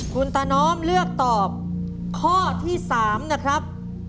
คุณตาน้อมเลือกตอบข้อที่๓นะครับ